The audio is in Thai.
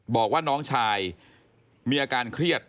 บอกว่าน้องชายมีอาการเครียด